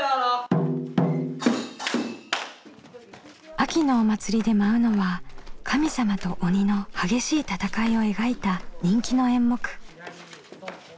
秋のお祭りで舞うのは神様と鬼の激しい戦いを描いた人気の演目。